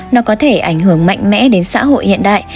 nó có thể ảnh hưởng mạnh mẽ đến xã hội hiện đại